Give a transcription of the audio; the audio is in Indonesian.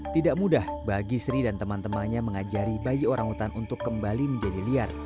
tidak mudah bagi seri dan teman temannya mengajari bayi orangutan untuk kembali ke hutan